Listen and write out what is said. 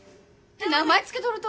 名前つけとると？